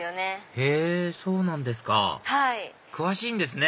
へぇそうなんですか詳しいんですね